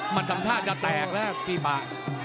มันทำท่าจะแตกแล้วพี่บะ